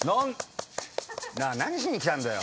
なあ何しに来たんだよ？